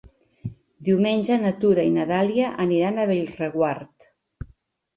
Diumenge na Tura i na Dàlia aniran a Bellreguard.